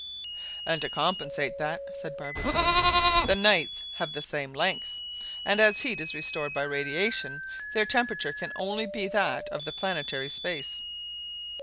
"And to compensate that," said Barbicane, "the nights have the same length; and as heat is restored by radiation, their temperature can only be that of the planetary space."